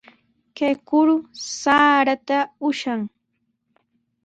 Kay kuru saraata ushan.